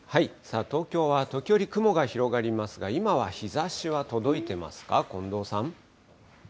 東京は時折雲が広がりますが、今は日ざしは届いてますか？